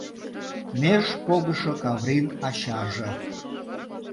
Меж погышо Каврин ачаже...